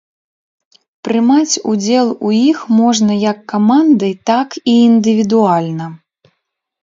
Прымаць удзел у іх можна як камандай, так і індывідуальна.